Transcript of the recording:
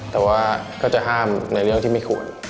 แต่ว่าก็จะห้ามในเรื่องที่ไม่ควร